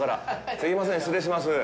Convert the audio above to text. すいません、失礼します。